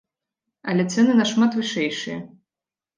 Але цэны нашмат вышэйшыя!